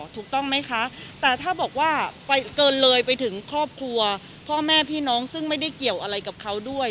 ถูกต้องไหมคะแต่ถ้าบอกว่าเกินเลยไปถึงครอบครัวพ่อแม่พี่น้องซึ่งไม่ได้เกี่ยวอะไรกับเขาด้วย